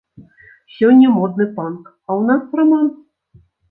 Сёння модны панк, а ў нас раманс.